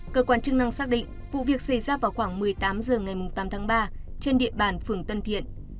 cơ quan chức năng xác định vụ việc xảy ra vào khoảng một mươi tám h ngày tám tháng ba trên địa bàn phường tân thiện